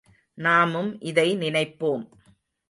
நாமும் இதை நினைப்போம்.